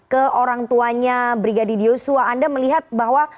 ke orang tuanya brigadir yosua anda melihat bahwa